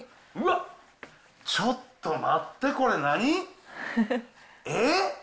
うわっ、ちょっと待って、これ何？えっ！